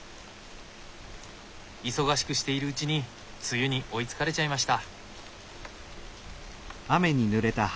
忙しくしているうちに梅雨に追いつかれちゃいました。